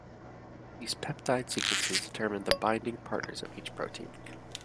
These peptide sequences determine the binding partners of each protein.